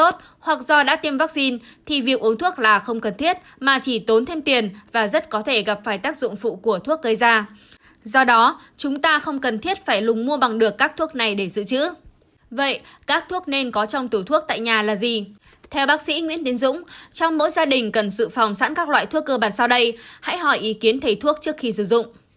theo bác sĩ nguyễn tiến dũng trong mỗi gia đình cần sự phòng sẵn các loại thuốc cơ bản sau đây hãy hỏi ý kiến thầy thuốc trước khi sử dụng